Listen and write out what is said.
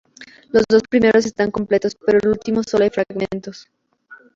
Los dos primeros están completos, pero del último solo hay fragmentos.